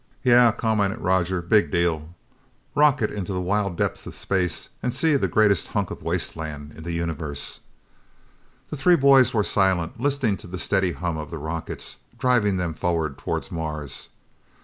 "Yeah," commented Roger, "big deal! Rocket into the wild depths of space and see the greatest hunk of wasteland in the universe!" The three boys were silent, listening to the steady hum of the rockets, driving them forward toward Mars.